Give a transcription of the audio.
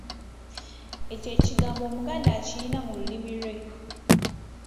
Ekyo ekigmbo Omuganda akirina mu lulimi lwe.